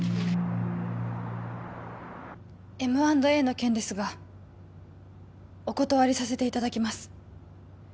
Ｍ＆Ａの件ですがお断りさせていただきます